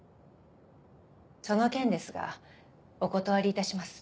その件ですがお断りいたします。